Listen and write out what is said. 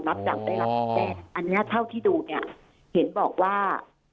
นับจับได้แล้วอันนี้เท่าที่ดูเนี่ยเห็นบอกว่า